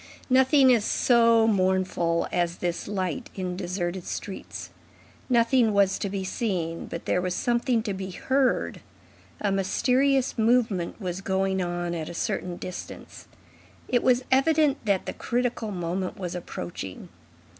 Nothing is so mournful as this light in deserted streets. Nothing was to be seen, but there was something to be heard. A mysterious movement was going on at a certain distance. It was evident that the critical moment was approaching.